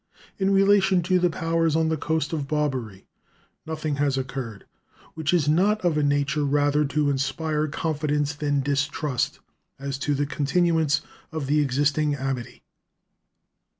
In relation to the powers on the coast of Barbary, nothing has occurred which is not of a nature rather to inspire confidence than distrust as to the continuance of the existing amity.